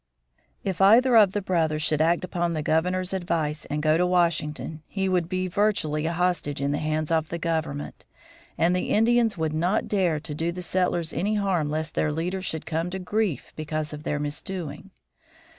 If either of the brothers should act upon the Governor's advice and go to Washington he would be virtually a hostage in the hands of the government, and the Indians would not dare to do the settlers any harm lest their leader should come to grief because of their misdoing.